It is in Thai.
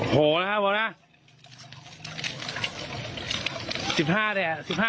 โหนะครับผมนะ